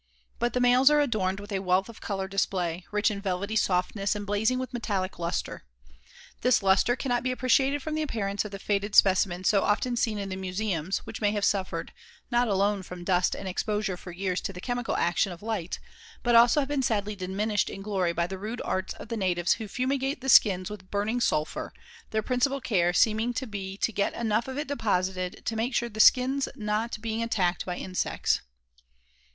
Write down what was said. But the males are adorned with a wealth of color display, rich in velvety softness and blazing with metallic lustre. This lustre cannot be appreciated from the appearance of the faded specimens so often seen in the museums which may have suffered, not alone from dust and exposure for years to the chemical action of light but have also been sadly diminished in glory by the rude arts of the natives who fumigate the skins with burning sulphur, their principal care seeming to be to get enough of it deposited to make sure of the skins' not being attacked by insects.